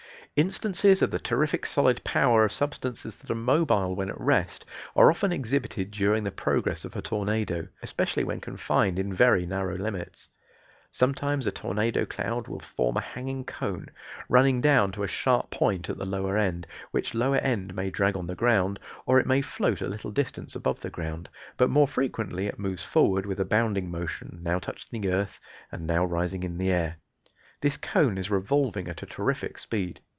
Instances of the terrific solid power of substances that are mobile when at rest are often exhibited during the progress of a tornado, especially when confined in very narrow limits. Sometimes a tornado cloud will form a hanging cone, running down to a sharp point at the lower end, which lower end may drag on the ground, or it may float a little distance above the ground, but more frequently it moves forward with a bounding motion, now touching the earth and now rising in the air. This cone is revolving at a terrific speed.